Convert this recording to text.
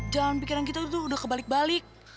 dan pikiran kita tuh udah kebalik balik